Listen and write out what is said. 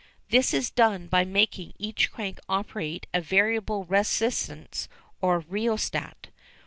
This is done by making each crank operate a variable resistance or rheostat.